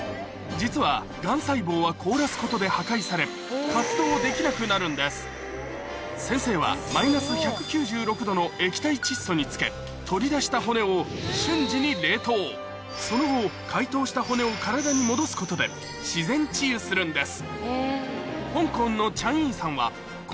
実はがん細胞は凍らすことで破壊され活動できなくなるんです先生はマイナス１９６℃の液体窒素につけ取り出した骨をその後解凍した骨を体に戻すことで自然治癒するんです